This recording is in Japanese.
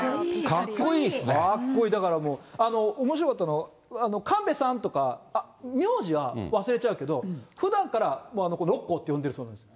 かっこいい、だからもう、おもしろかったのは、神戸さんとか、名字は忘れちゃうけど、ふだんから、ロッコウって呼んでるそうなんです。